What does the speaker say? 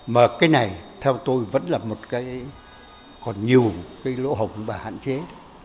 mà cái này theo tôi vẫn là một cái còn nhiều cái lỗ hồng và hạn chế